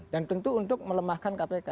dan tentu untuk melemahkan kpk